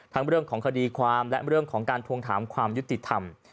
เรื่องของคดีความและเรื่องของการทวงถามความยุติธรรม